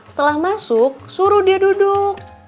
setelah masuk suruh dia duduk